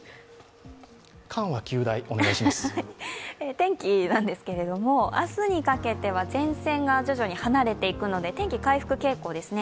天気なんですけれども、明日にかけては前線が徐々に離れていくので、天気、回復傾向ですね。